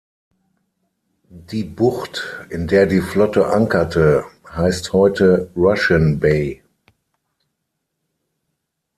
Die Bucht, in der die Flotte ankerte, heißt heute „Russian Bay“.